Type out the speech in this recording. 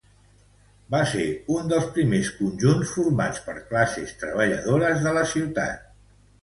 Va ser un dels primers conjunts formats per classes treballadores de la ciutat.